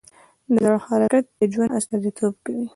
د زړه حرکت د ژوند استازیتوب کوي.